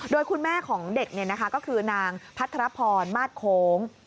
โดยคุณแม่ของเด็กก็คือนางพัทรพรมาสโค้ง